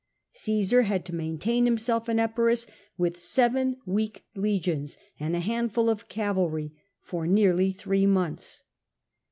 Cmsar had to maintaiii him self in Epirus, with seven weak legions and a handful of cavalry, for nearly three months.